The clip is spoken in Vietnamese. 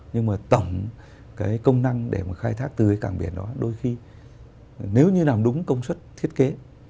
nhưng mà tổng cái công năng để mà khai thác từ cái cảng biển đó đôi khi nếu như làm đúng công suất thiết kế